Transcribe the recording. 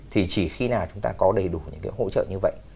thì chỉ khi nào chúng ta có đầy đủ những cái hỗ trợ như vậy